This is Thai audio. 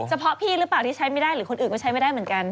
พี่หรือเปล่าที่ใช้ไม่ได้หรือคนอื่นก็ใช้ไม่ได้เหมือนกัน